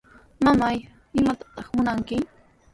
Mamay, ¿imatataq munanki?